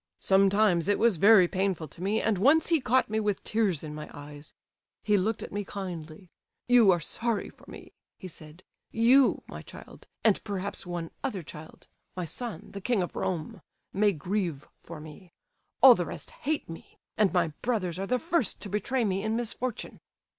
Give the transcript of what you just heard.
"Sometimes it was very painful to me, and once he caught me with tears in my eyes. He looked at me kindly. 'You are sorry for me,' he said, 'you, my child, and perhaps one other child—my son, the King of Rome—may grieve for me. All the rest hate me; and my brothers are the first to betray me in misfortune.